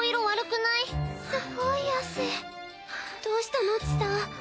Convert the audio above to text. どうしたの千紗？